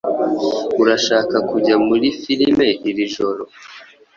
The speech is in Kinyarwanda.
Urashaka kujya muri firime iri joro?